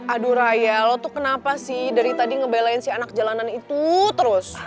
aduh raya lo tuh kenapa sih dari tadi ngebelain si anak jalanan itu terus